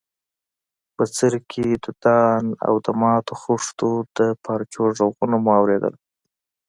بڅرکي، دودان او د ماتو خښتو د پارچو ږغونه مو اورېدل.